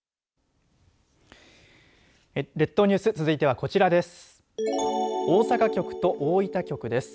列島ニュース続いては、こちらです。